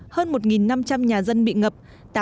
hơn một năm trăm linh nhà dân bị ngập